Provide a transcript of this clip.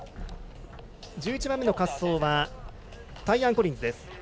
１１番目の滑走はタイアン・コリンズです。